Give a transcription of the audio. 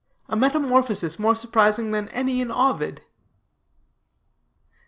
A METAMORPHOSIS MORE SURPRISING THAN ANY IN OVID.